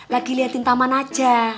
lagi liatin taman aja